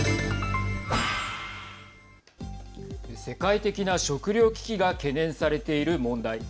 世界的な食糧危機が懸念されている問題。